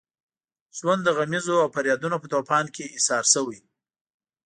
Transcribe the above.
ژوند د غمیزو او فریادونو په طوفان کې ایسار شوی.